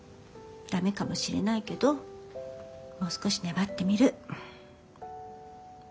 ダメかもしれないけどもう少し粘ってみる。